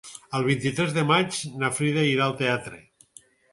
El vint-i-tres de maig na Frida irà al teatre.